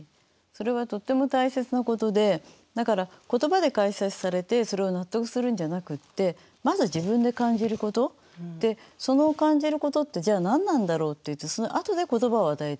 それはとっても大切なことでだから言葉で解説されてそれを納得するんじゃなくってまず自分で感じることでその感じることってじゃあ何なんだろう？っていってそのあとで言葉を与えていく。